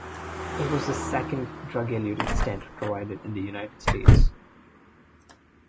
It was the second drug-eluting stent approved in the United States.